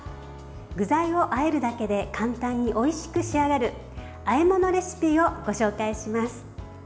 具材をあえるだけで簡単においしく仕上がるあえ物レシピをご紹介します。